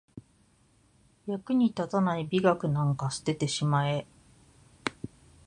役に立たない美学なんか捨ててしまえ